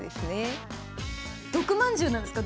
毒まんじゅうなんですか？